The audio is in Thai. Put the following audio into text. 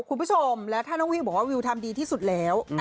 คุณผู้ชมแล้วถ้าน้องวิวบอกว่าวิวทำดีที่สุดแล้ว